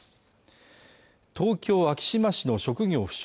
東京昭島市の職業不詳